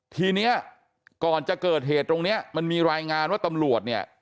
ทีนี้ก่อนจะเกิดเหตุตรงเนี้ยมันมีรายงานว่าตำรวจเนี่ย